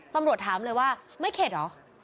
ตำรวจถามเลยว่าไม่เข็ดเหรอ